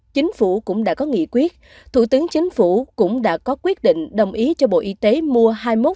chính phủ cũng đã có nghị quyết thủ tướng chính phủ cũng đã có quyết định đồng ý cho bộ y tế mua